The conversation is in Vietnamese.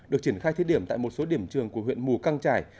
được triển khai thí điểm tại một số điểm trường của huyện mù căng trải